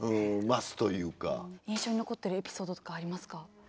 印象に残ってるエピソードとかありますか？